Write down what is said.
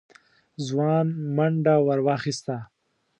ځوان منډه ور واخيسته.